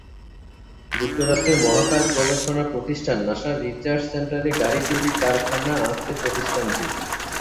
যুক্তরাষ্ট্রের মহাকাশ গবেষণা প্রতিষ্ঠান নাসার রিসার্চ সেন্টারে গাড়ি তৈরির কারখানা আছে প্রতিষ্ঠানটির।